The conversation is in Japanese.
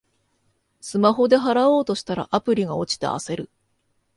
スマホで払おうとしたら、アプリが落ちて焦る